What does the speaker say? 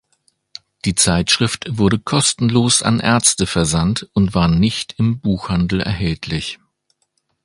Die Zeitschrift wurde kostenlos an Ärzte versandt und war nicht im Buchhandel erhältlich.